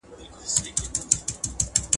موږ په خپله ژمنه ولاړ يو.